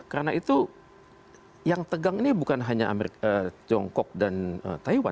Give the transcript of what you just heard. karena itu yang tegang ini bukan hanya tiongkok dan taiwan